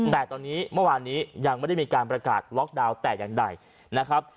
แต่ตอนนี้เมื่อวานนี้ยังไม่ได้มีการประกาศล็อกดาวน์แต่อย่างใดนะครับ